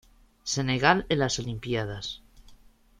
Senegal en las Olimpíadas